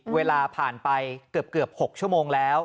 เวลาผ่านไปเกือบ๖ชั่วโมงแล้ว